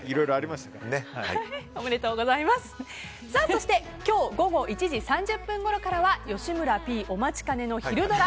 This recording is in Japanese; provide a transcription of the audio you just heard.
そして今日午後１時３０分ごろからは吉村Ｐお待ちかねのひるドラ！